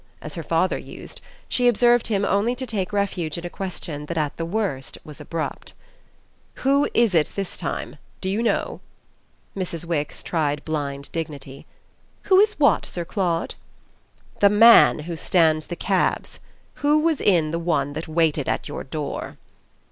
as her father used, she observed him only to take refuge in a question that at the worst was abrupt. "Who IS it this time, do you know?" Mrs. Wix tried blind dignity. "Who is what, Sir Claude?" "The man who stands the cabs. Who was in the one that waited at your door?"